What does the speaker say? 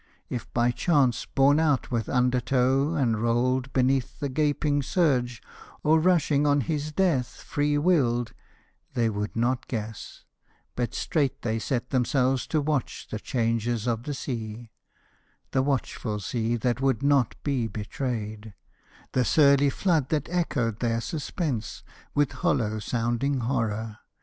If by chance Borne out with undertow and rolled beneath The gaping surge, or rushing on his death Free willed, they would not guess; but straight they set Themselves to watch the changes of the sea The watchful sea that would not be betrayed, The surly flood that echoed their suspense With hollow sounding horror.